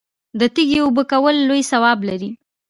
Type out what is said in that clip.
د تږي اوبه کول لوی ثواب لري.